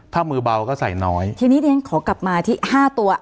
ถ้ามือเบาก็ใส่น้อยทีนี้เดี๋ยวฉันขอกลับมาที่ห้าตัว